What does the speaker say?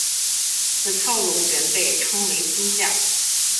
此套路原被称为新架。